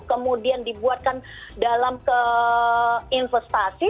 kemudian dibuatkan dalam investasi